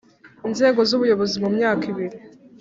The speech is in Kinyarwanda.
inzego z ubuyobozi mu myaka ibiri